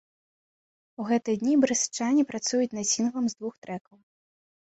У гэтыя дні брэстчане працуюць над сінглам з двух трэкаў.